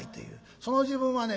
その時分はね